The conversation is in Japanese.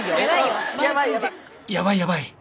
ヤバいヤバい